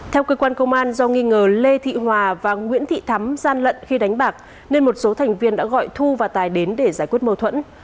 theo cơ quan công an do nghi ngờ lê thị hòa và nguyễn thị thắm gian lận khi đánh bạc nên một số thành viên đã gọi thu và tài đến để giải quyết mâu thuẫn